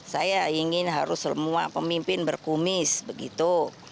saya ingin harus semua pemimpin berkumis begitu